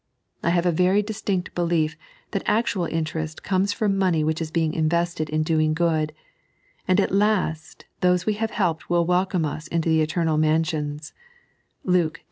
I hftve a very distinct belief that actual interest oomeK from money which is being invested in doing good ; and at last those we have helped will welcome us into the eternal mansions (Luke zvi.